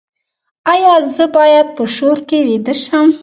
ایا زه باید په شور کې ویده شم؟